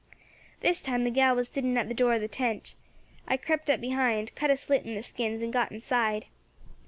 "This time the gal was sitting at the door of the tent. I crept up behind, cut a slit in the skins, and got inside.